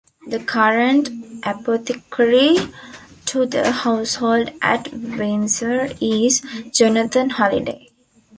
The current Apothecary to the Household at Windsor, is Jonathan Holliday.